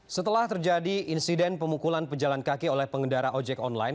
setelah terjadi insiden pemukulan pejalan kaki oleh pengendara ojek online